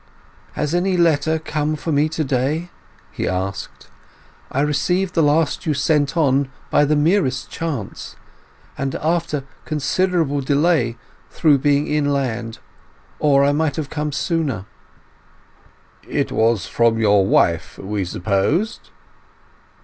"Has any letter come for me lately?" he asked. "I received the last you sent on by the merest chance, and after considerable delay through being inland; or I might have come sooner." "It was from your wife, we supposed?"